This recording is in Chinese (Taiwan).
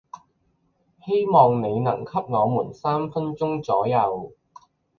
希望你能給我們三分鐘左右